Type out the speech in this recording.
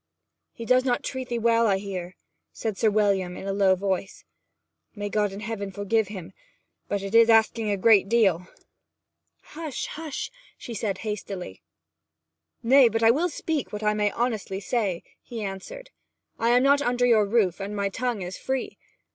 'He does not treat 'ee well, I hear,' said Sir William in a low voice. 'May God in Heaven forgive him; but it is asking a great deal!' 'Hush, hush!' said she hastily. 'Nay, but I will speak what I may honestly say,' he answered. 'I am not under your roof, and my tongue is free.